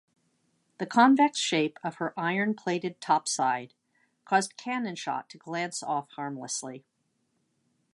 The convex shape of her iron-plated topside caused cannon shot to glance off harmlessly.